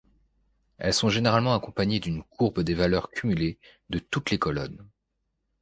Elles sont généralement accompagnées d'une courbe des valeurs cumulées de toutes les colonnes.